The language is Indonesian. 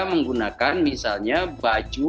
menggunakan misalnya baju